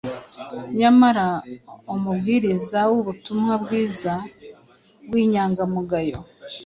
Nyamara umubwiriza w’ubutumwa bwiza w’inyangamugayo